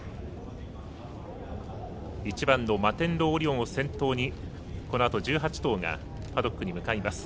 １番のマテンロウオリオンを先頭にこのあと１８頭がパドックに向かいます。